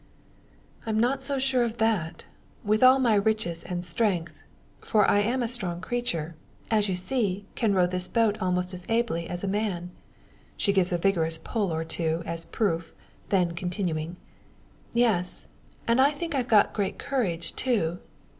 "I'm not so sure of that. With all my riches and strength for I am a strong creature; as you see, can row this boat almost as ably as a man," she gives a vigorous pull or two, as proof, then continuing, "Yes; and I think I've got great courage too.